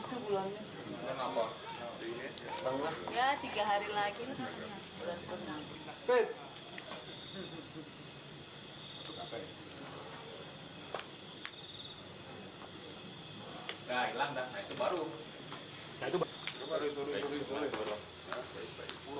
hai ga hilang dan itu baru baru